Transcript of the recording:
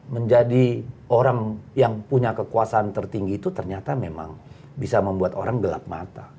menjadi orang yang punya kekuasaan tertinggi itu ternyata memang bisa membuat orang gelap mata